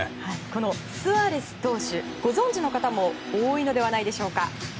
このスアレス投手ご存じの方も多いのではないでしょうか。